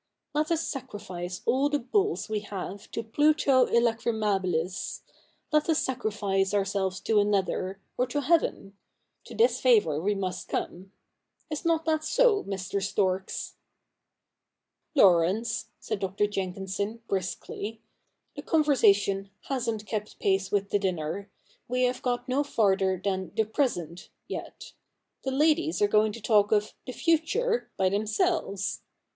Let us sacrifice all the bulls we have to Pluto il/acrifnabilis — let us sacrifice ourselves to one another, or to Heaven — to this favour must we come. Is not that so, Mr. Storks ?'' Laurence,' said Dr. Jenkinson briskly, ' the con versation hasn't kept pace with the dinner. We have got no farther than " The Present " yet. The ladies are going to talk of *'The Future" by themselves.